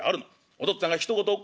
お父っつぁんがひと言おっ